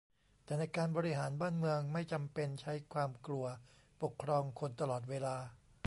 แต่ในการบริหารบ้านเมืองไม่จำเป็นใช้ความกลัวปกครองคนตลอดเวลา